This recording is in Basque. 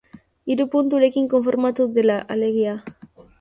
Hiru punturekin konformatu dela, alegia.